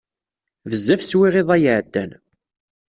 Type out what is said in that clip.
Bezzaf swiɣ iḍ-a iɛeddan.